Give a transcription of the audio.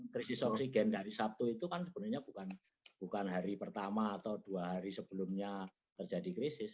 krisis oksigen dari sabtu itu kan sebenarnya bukan hari pertama atau dua hari sebelumnya terjadi krisis